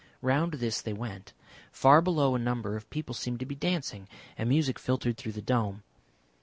Round this they went. Far below a number of people seemed to be dancing, and music filtered through the dome....